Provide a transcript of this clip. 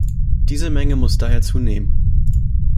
Diese Menge muss daher zunehmen.